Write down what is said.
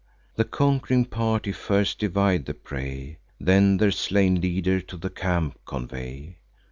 The conqu'ring party first divide the prey, Then their slain leader to the camp convey.